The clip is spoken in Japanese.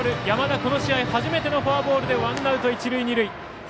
山田、この試合初めてのフォアボールでワンアウト、一塁二塁。